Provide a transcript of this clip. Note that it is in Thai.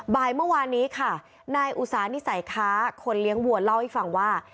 บ่ายเมื่อวานนี้ค่ะนายอุสานิสัยค้าคนเลี้ยงวัวเล่าให้ฟังว่า